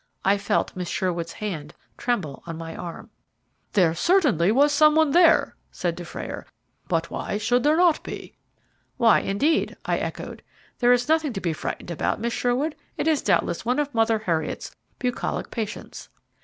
I felt Miss Sherwood's hand tremble on my arm. "There certainly was some one there," said Dufrayer; "but why should not there be?" "Why, indeed?" I echoed. "There is nothing to be frightened about, Miss Sherwood. It is doubtless one of Mother Heriot's bucolic patients."